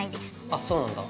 あそうなんだ。